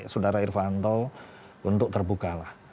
saudara irfanto untuk terbukalah